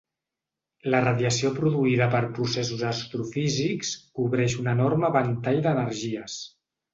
La radiació produïda per processos astrofísics cobreix un enorme ventall d’energies.